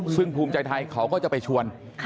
ซึ่งภูมิใจไทยเขาก็จะไปชวน